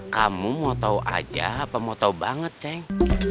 kamu mau tahu aja apa mau tau banget ceng